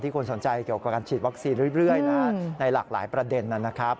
คนสนใจเกี่ยวกับการฉีดวัคซีนเรื่อยนะในหลากหลายประเด็นนะครับ